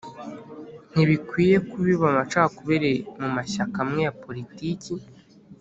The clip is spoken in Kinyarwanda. Ntibikwiye kubiba amacakubiri mu mashyaka amwe ya poritiki